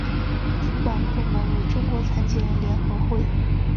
主管部门为中国残疾人联合会。